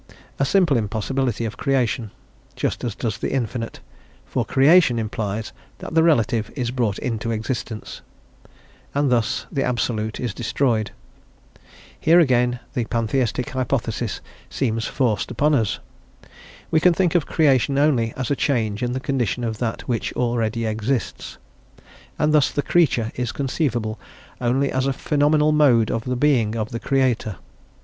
A simple impossibility of creation, just as does the Infinite; for creation implies that the relative is brought into existence, and thus the Absolute is destroyed. "Here again the Pantheistic hypothesis seems forced upon us. We can think of creation only as a change in the condition of that which already exists, and thus the creature is conceivable only as a phenomenal mode of the being of the Creator."